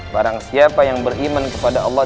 barang siapa yang beriman kepada allah